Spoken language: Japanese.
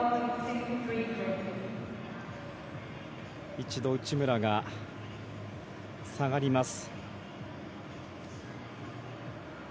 一度、内村が下がります。